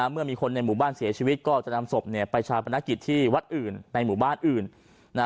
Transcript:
เมื่อมีคนในหมู่บ้านเสียชีวิตก็จะนำศพไปชาปนกิจที่วัดอื่นในหมู่บ้านอื่น